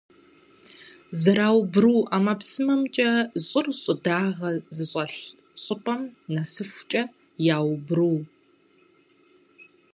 Зэраубру ӀэмэпсымэмкӀэ щӀыр щӀыдагъэ зыщӀэлъ щӀыпӀэм нэсыхункӀэ яубру.